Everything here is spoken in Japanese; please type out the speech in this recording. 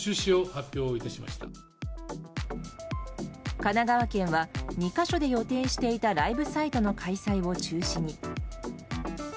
神奈川県は２か所で予定していたライブサイトの開催を中止に。